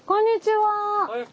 はい。